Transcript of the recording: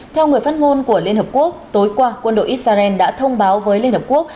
theo người phát ngôn của liên hợp quốc tối qua quân đội israel đã thông báo với liên hợp quốc